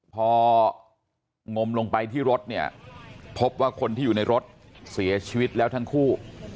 พองมลงไปที่รถเนี่ยพบว่าคนที่อยู่ในรถเสียชีวิตแล้วทั้งคู่